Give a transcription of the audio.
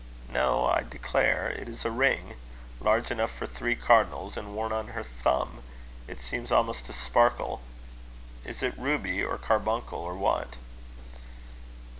No, I declare it is a ring large enough for three cardinals, and worn on her thumb. It seems almost to sparkle. Is it ruby, or carbuncle, or what?"